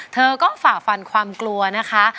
เธอก็ฝ่าฟันความกลัวนะคะ